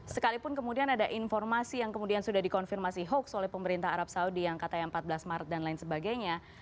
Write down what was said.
sekalipun kemudian ada informasi yang kemudian sudah dikonfirmasi hoax oleh pemerintah arab saudi yang katanya empat belas maret dan lain sebagainya